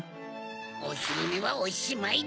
おひるねはおしまいだ！